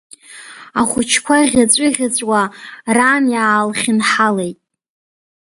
Ахәыҷқәа ӷьаҵәыӷьаҵәуа ран иаалхьынҳалеит.